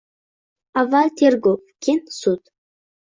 Avval tergov, keyin sud